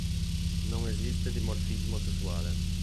Non esiste dimorfismo sessuale.